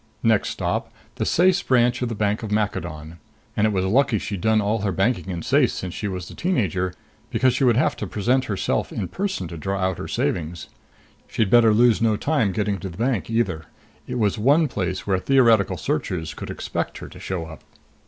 Next stop the Ceyce branch of the Bank of Maccadon. And it was lucky she'd done all her banking in Ceyce since she was a teen ager, because she would have to present herself in person to draw out her savings. She'd better lose no time getting to the bank either. It was one place where theoretical searchers could expect her to show up.